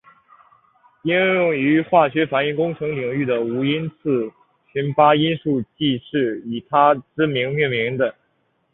应用于化学反应工程领域的无因次群八田数即是以他之名命名的。